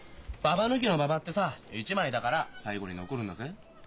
ババ抜きのババってさ１枚だから最後に残るんだぜ。